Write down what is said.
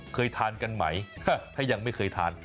เคยทานกันไหมถ้ายังไม่เคยทาน